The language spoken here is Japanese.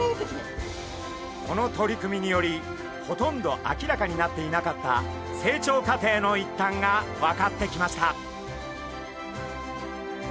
この取り組みによりほとんど明らかになっていなかった成長過程の一端が分かってきました。